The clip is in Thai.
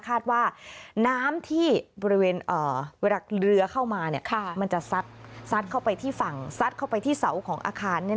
คาดว่าน้ำที่บริเวณเวลาเรือเข้ามามันจะซัดเข้าไปที่ฝั่งซัดเข้าไปที่เสาของอาคาร